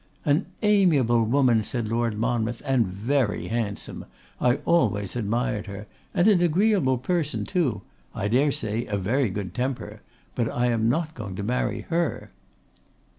'An amiable woman,' said Lord Monmouth, 'and very handsome. I always admired her; and an agreeable person too; I dare say a very good temper, but I am not going to marry her.